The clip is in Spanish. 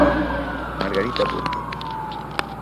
Margarita Burke